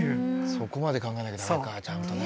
そこまで考えなきゃ駄目かちゃんとね。